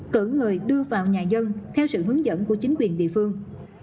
cử người đưa vào nhà dân theo sự hướng dẫn của chính quyền địa phương